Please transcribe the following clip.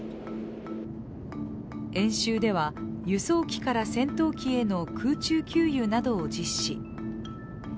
演習では、輸送機から戦闘機への空中給油などを実施。